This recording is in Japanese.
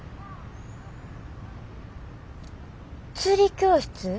釣り教室？